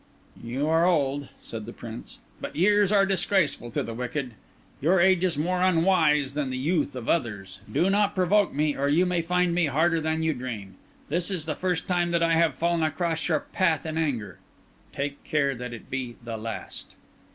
"You are old," said the Prince; "but years are disgraceful to the wicked. Your age is more unwise than the youth of others. Do not provoke me, or you may find me harder than you dream. This is the first time that I have fallen across your path in anger; take care that it be the last."